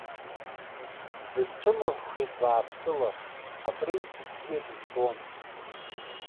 Бысцәымӷхеит бааԥсыла, апринц бзиа дызбон!